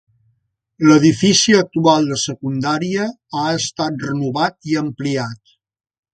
L'edifici actual de secundària ha estat renovat i ampliat.